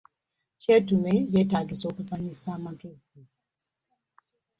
Kyetume yeetaga kuzannyisa magezi.